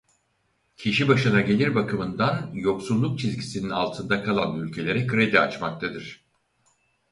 Kişi başına gelir bakımından yoksulluk çizgisinin altında kalan ülkelere kredi açmaktadır.